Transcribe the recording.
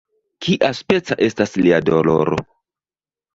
Kiaspeca estas lia doloro?